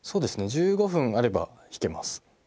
１５分あれば弾けます。